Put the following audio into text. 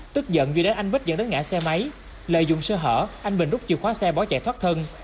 tức giận duy đánh anh bích dẫn đến ngã xe máy lợi dụng sơ hở anh bình úc chìa khóa xe bỏ chạy thoát thân